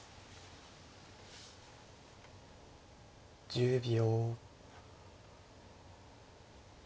１０秒。